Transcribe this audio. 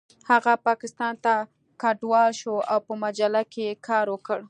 هغه پاکستان ته کډوال شو او په مجله کې یې کار وکړ